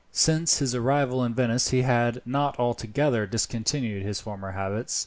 Since his arrival in Venice he had not altogether discontinued his former habits.